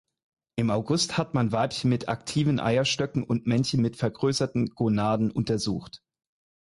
Im August hat man Weibchen mit aktiven Eierstöcken und Männchen mit vergrößerten Gonaden untersucht.